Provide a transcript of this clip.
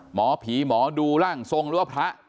หมอผีหมอดูร่างทรงรั้วพระ